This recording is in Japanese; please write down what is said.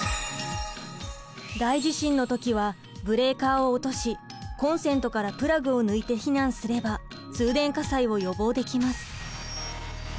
大地震の時はブレーカーを落としコンセントからプラグを抜いて避難すれば通電火災を予防できます。